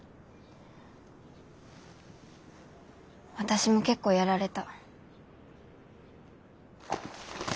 私も結構やられた。